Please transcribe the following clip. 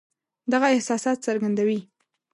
دغه احساسات څرګندوي.